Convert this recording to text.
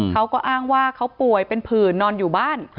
เขาก็อ้างว่าเขาป่วยเป็นผื่นนอนอยู่บ้าน